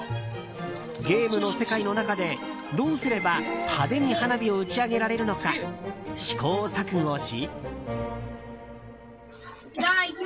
ゲームの世界の中でどうすれば派手に花火を打ち上げられるのか試行錯誤し。